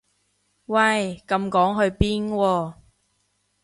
喂咁趕去邊喎